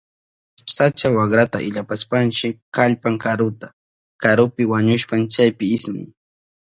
Sacha wakrata illapashpanchi kallpan karuta. Karupi wañushpan chaypi ismun.